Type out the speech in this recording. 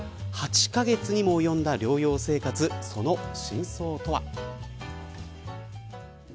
８カ月にも及んだ療養生活その真相とは。